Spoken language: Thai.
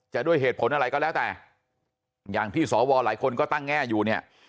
ด้วยเหตุผลอะไรก็แล้วแต่อย่างที่สวหลายคนก็ตั้งแง่อยู่เนี่ย